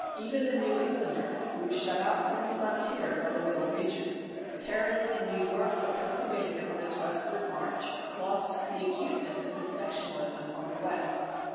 Even the New Englander, who was shut out from the frontier by the Middle region, tarrying in New York or Pennsylvania on his westward march, lost the acuteness of his sectionalism on the way.